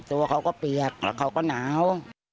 ตัวเขาก็เปียกแล้วเขาก็หนาว